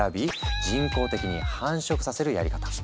人工的に繁殖させるやり方。